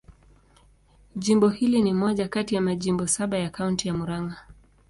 Jimbo hili ni moja kati ya majimbo saba ya Kaunti ya Murang'a.